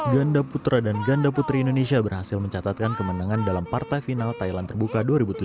ganda putra dan ganda putri indonesia berhasil mencatatkan kemenangan dalam partai final thailand terbuka dua ribu tujuh belas